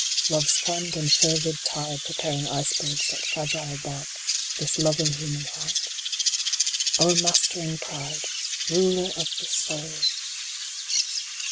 Love s Fond and fervid tide preparing icebergs That fragile bark, this loving human heart. O ermastering Pride ! Ruler of the Soul